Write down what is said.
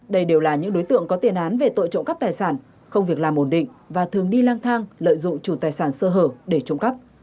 đây đều là những đối tượng có tiền án về tội trộm cắp tài sản không việc làm ổn định và thường đi lang thang lợi dụng chủ tài sản sơ hở để trộm cắp